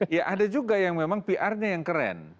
ya ada juga yang memang pr nya yang keren